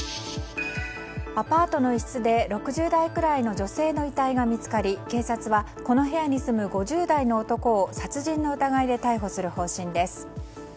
アパートの一室で６０代くらいの女性の遺体が見つかり警察はこの部屋に住む５０代の男を殺人の疑いで逮捕する方針です。